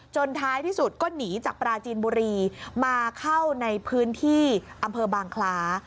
ท้ายที่สุดก็หนีจากปราจีนบุรีมาเข้าในพื้นที่อำเภอบางคล้า